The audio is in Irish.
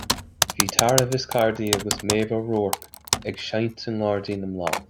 Bhí Tara Viscardi agus Meadhbh O'Rourke ag seinnt i ngáirdín na mbláth